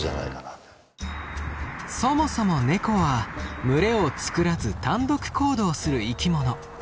そもそもネコは群れを作らず単独行動する生き物。